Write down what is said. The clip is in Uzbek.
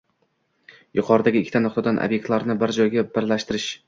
Yuqoridagi ikkita nuqtadan ob'ektlarni bir joyga birlashtirish